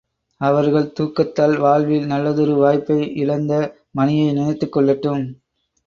அவர்கள் தூக்கத்தால் வாழ்வில் நல்லதொரு வாய்ப்பை இழந்த மணியை நினைத்துக் கொள்ளட்டும்.